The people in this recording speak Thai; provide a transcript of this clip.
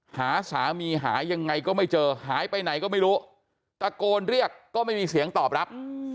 หาสามีหายังไงก็ไม่เจอหายไปไหนก็ไม่รู้ตะโกนเรียกก็ไม่มีเสียงตอบรับ